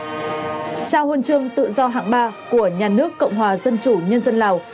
trao huân chương tự do hạng ba của nhà nước cộng hòa dân chủ nhân dân lào